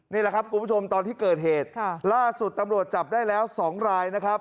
นี่แหละครับคุณผู้ชมตอนที่เกิดเหตุล่าสุดตำรวจจับได้แล้ว๒รายนะครับ